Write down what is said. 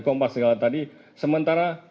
kompas segala tadi sementara